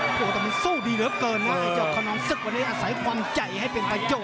โอ้โหแต่มันสู้ดีเหลือเกินนะไอ้เจ้าขนอมศึกวันนี้อาศัยความใจให้เป็นประโยชน์